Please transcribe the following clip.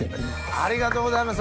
ありがとうございます。